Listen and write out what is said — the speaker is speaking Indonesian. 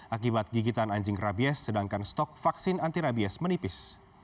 akibat gigitan anjing rabies sedangkan stok vaksin anti rabies menipis